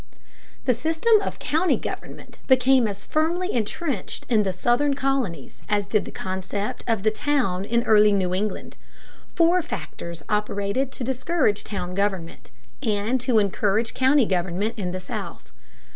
The system of county government became as firmly intrenched in the Southern colonies as did the concept of the town in early New England. Four factors operated to discourage town government, and to encourage county government, in the South.